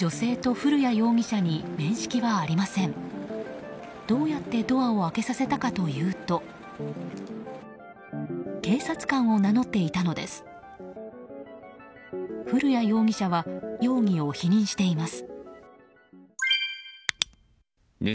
古屋容疑者は容疑を否認しています。